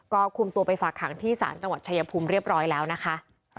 ก็คุมตัวไปฝากขังที่ศาลจังหวัดชายภูมิเรียบร้อยแล้วนะคะ